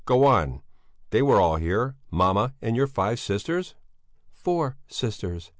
Go on! They were all here, mamma and your five sisters?" "Four sisters!